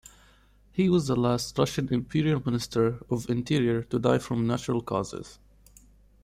He was the last Russian Imperial Minister of Interior to die from natural causes.